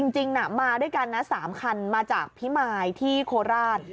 จริงมาด้วยกันนะ๓คันมาจากพิมายที่โคราช